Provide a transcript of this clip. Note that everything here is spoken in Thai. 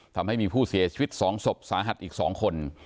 ทำให้มีผู้เสียชีวิต๒ศพสาหัสอีก๒คน